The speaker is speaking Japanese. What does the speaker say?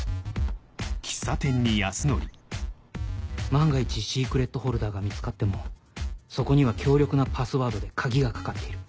万が一シークレットフォルダが見つかってもそこには強力なパスワードで鍵が掛かっている